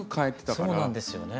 そうなんですよね。